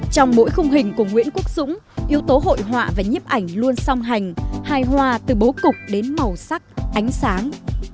trong mỗi khung hình của nguyễn quốc dũng yếu tố hội họa và nhiếp ảnh luôn song hành hài hòa từ bố cục đến màu sắc ánh sáng